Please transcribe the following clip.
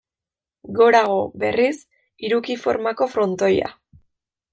Gorago, berriz, hiruki formako frontoia.